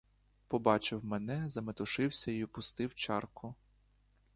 Побачив мене, заметушився й упустив чарку.